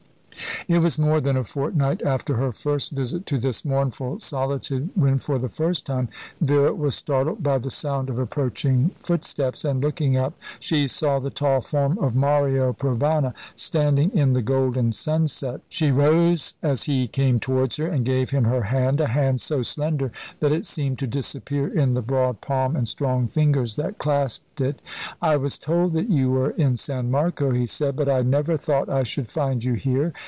It was more than a fortnight after her first visit to this mournful solitude when for the first time Vera was startled by the sound of approaching footsteps, and looking up she saw the tall form of Mario Provana, standing in the golden sunset. She rose as he came towards her, and gave him her hand, a hand so slender that it seemed to disappear in the broad palm and strong fingers that clasped it. "I was told that you were in San Marco," he said; "but I never thought I should find you here.